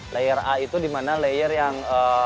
layer a itu dimana layer yang